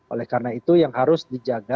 oleh karena itu yang harus dijaga